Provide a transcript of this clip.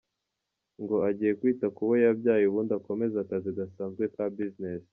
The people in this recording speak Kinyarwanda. Ngo agiye kwita kubo yabyaye ubundi akomeze akazi gasanzwe ka Business.